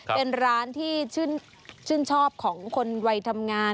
เป็นร้านที่ชื่นชอบของคนวัยทำงาน